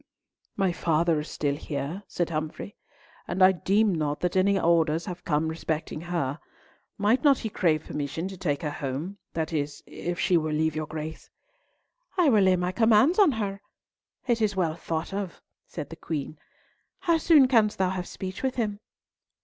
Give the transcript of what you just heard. "My father is still here," said Humfrey, "and I deem not that any orders have come respecting her. Might not he crave permission to take her home, that is, if she will leave your Grace?" "I will lay my commands on her! It is well thought of," said the Queen. "How soon canst thou have speech with him?"